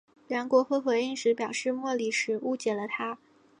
梁国辉回应时表示莫礼时误解了他。